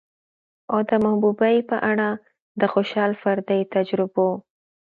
او د محبوبې په اړه د خوشال فردي تجربو